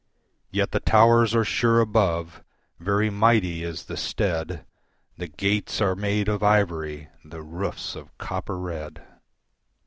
Yet the towers are sure above, very mighty is the stead, The gates are made of ivory, the roofs of copper red.